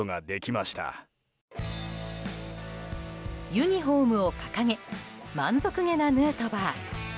ユニホームを掲げ満足げなヌートバー。